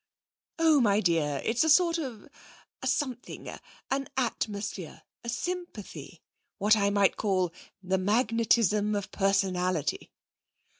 'Oh, my dear, it's a sort of a something an atmosphere a sympathy. What I might call the magnetism of personality!'